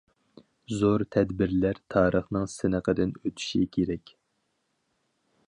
زور تەدبىرلەر تارىخنىڭ سىنىقىدىن ئۆتۈشى كېرەك.